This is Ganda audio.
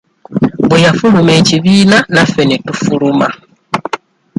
Bwe yafuluma ekibiina naffe ne tufuluma.